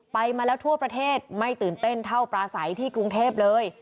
มาแล้วทั่วประเทศไม่ตื่นเต้นเท่าปลาใสที่กรุงเทพเลย